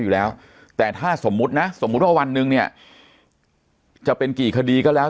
อยู่แล้วแต่ถ้าสมมุตินะสมมุติว่าวันหนึ่งเนี่ยจะเป็นกี่คดีก็แล้ว